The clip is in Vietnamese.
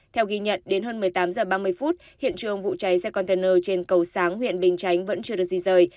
theo ghi nhận đến hơn một mươi tám h ba mươi phút hiện trường vụ cháy xe container trên cầu sáng huyện bình chánh vẫn chưa được di rời